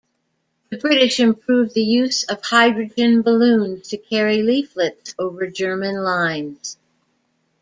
The British improved the use of hydrogen balloons to carry leaflets over German lines.